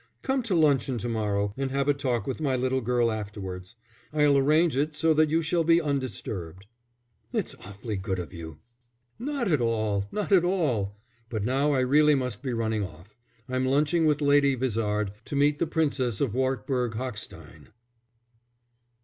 "Come to luncheon to morrow and have a talk with my little girl afterwards. I'll arrange it so that you shall be undisturbed." "It's awfully good of you." "Not at all! Not at all! But now I really must be running off. I'm lunching with Lady Vizard, to meet the Princess of Wartburg Hochstein."